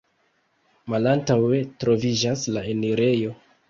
Malantaŭe troviĝas la enirejo.